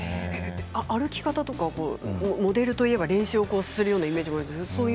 歩き方とかモデルといえば練習をするようなイメージがあるんですけど。